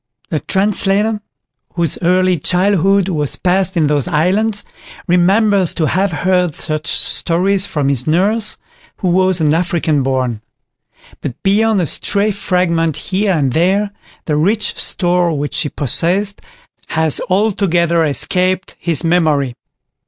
The translator, whose early childhood was passed in those islands, remembers to have heard such stories from his nurse, who was an African born; but beyond a stray fragment here and there, the rich store which she possessed has altogether escaped his memory.